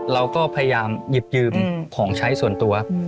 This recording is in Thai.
เราก็พยายามหยิบยืมของใช้ส่วนตัว